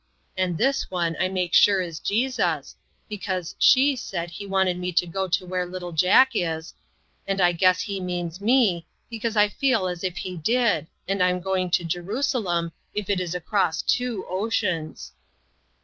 And this one I make sure is Jesus, because she said he wanted me to go where little Jack is, and I guess he means me, because I feel as if he did, and I'm going to Jerusalem, if it is across two oceans."